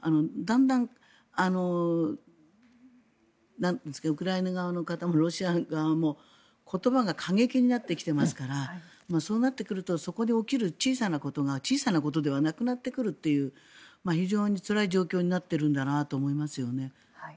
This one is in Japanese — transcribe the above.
だんだんウクライナ側もロシア側も言葉が過激になってきていますからそうなってくるとそこで起きる小さなことが小さなことではなくなってくるという非常につらい状況になっているんだなと思いますよね。